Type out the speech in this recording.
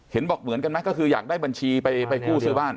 บอกเหมือนกันไหมก็คืออยากได้บัญชีไปกู้ซื้อบ้าน